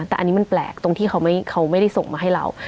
แต่อันนี้มันแปลกตรงที่เขาไม่ได้ส่งมาให้เรา